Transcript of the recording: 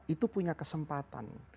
itu punya kesempatan